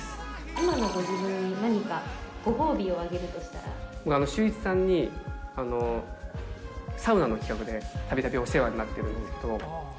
今のご自分に何か、ご褒美をシューイチさんに、サウナの企画でたびたびお世話になってるんですけど。